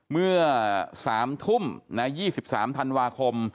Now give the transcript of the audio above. เมื่อ๓ทุ่ม๒๓ธันวาคม